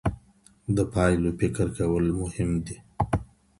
د پايلو فکر کول مهم دي.